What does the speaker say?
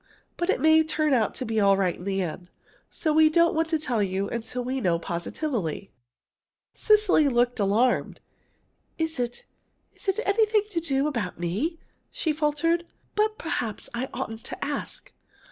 But it may turn out all right in the end, so we don't want to tell you till we know positively." Cecily looked alarmed. "Is it is it anything about me?" she faltered. "But perhaps I oughtn't to ask."